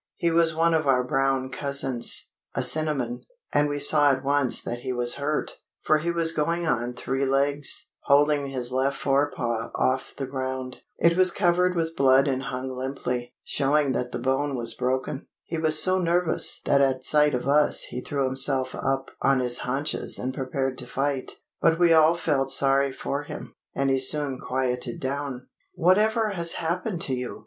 He was one of our brown cousins a cinnamon and we saw at once that he was hurt, for he was going on three legs, holding his left fore paw off the ground. It was covered with blood and hung limply, showing that the bone was broken. He was so nervous that at sight of us he threw himself up on his haunches and prepared to fight; but we all felt sorry for him, and he soon quieted down. 'Whatever has happened to you?'